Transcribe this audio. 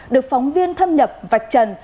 được phóng viên thâm nhập vạch trần